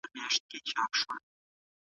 كوې راته اوس هم خندا په حسن كي دي ګډ يـم